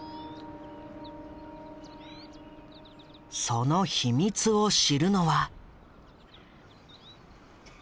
その秘密を知るのは。